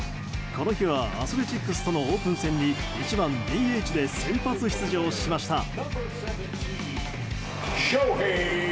この日はアスレチックスとのオープン戦に１番ＤＨで先発出場しました。